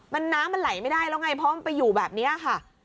น้ำมันไหลไม่ได้แล้วไงเพราะมันไปอยู่แบบนี้ค่ะ